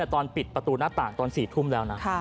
ตอนปิดประตูหน้าต่างตอน๔ทุ่มแล้วนะ